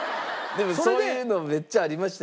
でもそういうのめっちゃありましたよね。